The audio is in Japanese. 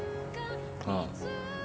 ああ。